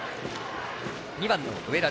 ２番の上田。